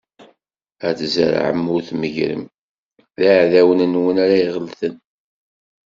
Ad tzerrɛem ur tmeggrem: D iɛdawen-nwen ara iɣelten.